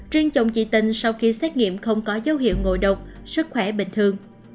riêng chồng chị tình sau khi xét nghiệm không có dấu hiệu ngộ độc sức khỏe bình thường